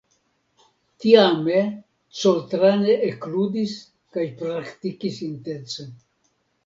Tiame Coltrane ekludis kaj praktikis intense.